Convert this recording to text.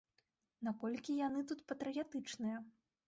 Наколькі яны тут патрыятычныя?